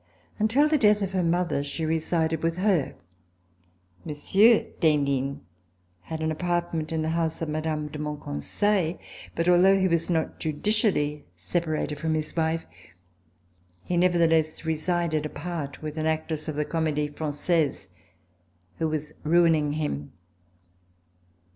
Until the death of her mother she resided with her. Monsieur d'Henin had an apartment in the house of Mme. de Monconseil, but although he was not judicially separated from his wife, he nevertheless resided apart with an actress of the Comedie Fran^aise, who was ruining him.